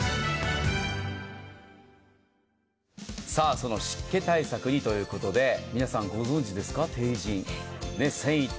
その湿気対策にということで皆さん、ご存じですか？